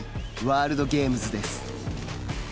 ワールドゲームズです。